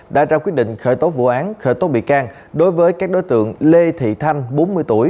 đã ra quyết định khởi tố vụ án khởi tố bị can đối với các đối tượng lê thị thanh bốn mươi tuổi